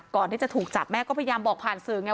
ก่อนที่จะถูกจับแม่ก็พยายามบอกผ่านสื่อไง